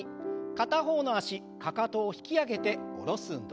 片方の脚かかとを引き上げて下ろす運動。